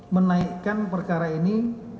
menaikan perkara ini